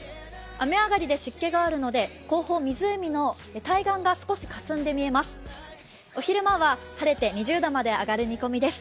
雨上がりで湿気があるので後方、湖の対岸が少しかすんで見えます。